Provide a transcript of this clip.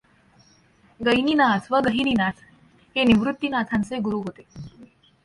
गैनीनाथ वा गहिनीनाथ हे निवृत्तिनाथांचे गुरू होते.